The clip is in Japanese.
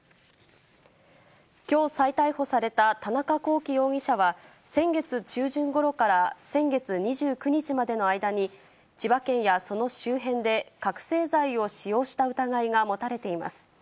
きょう再逮捕された田中聖容疑者は、先月中旬ごろから先月２９日までの間に、千葉県やその周辺で覚醒剤を使用した疑いが持たれています。